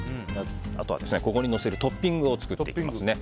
あとはここにのせるトッピングを作っていきます。